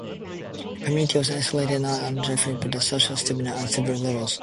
The community was isolated not by geography but by social stigma, on several levels.